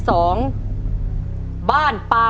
ถอบที่